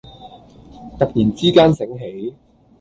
突然之間醒起